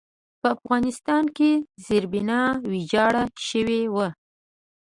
په افغانستان کې زېربنا ویجاړه شوې وه.